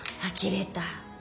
あきれた。